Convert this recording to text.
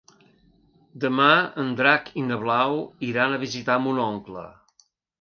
Demà en Drac i na Blau iran a visitar mon oncle.